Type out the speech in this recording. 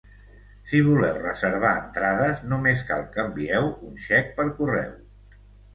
Si voleu reservar entrades, només cal que envieu un xec per correu.